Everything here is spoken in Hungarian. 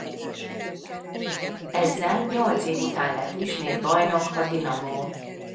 Ezzel nyolc év után lett ismét bajnok a Dinamo.